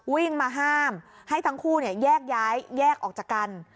วิ่งมาห้ามให้ทั้งคู่แยกย้ายแยกออกจากกัน